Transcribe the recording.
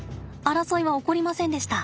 争いは起こりませんでした。